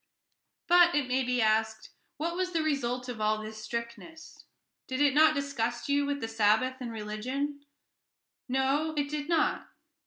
But, it may be asked, what was the result of all this strictness? Did it not disgust you with the Sabbath and with religion? No, it did not.